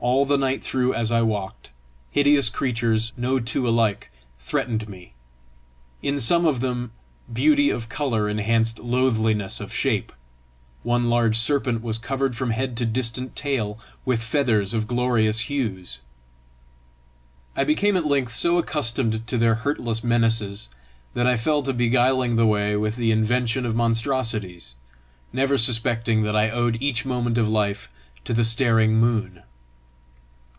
All the night through as I walked, hideous creatures, no two alike, threatened me. In some of them, beauty of colour enhanced loathliness of shape: one large serpent was covered from head to distant tail with feathers of glorious hues. I became at length so accustomed to their hurtless menaces that I fell to beguiling the way with the invention of monstrosities, never suspecting that I owed each moment of life to the staring moon.